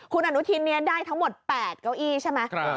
คุณอนุทินได้ทั้งหมด๘เก้าอี้ใช่ไหม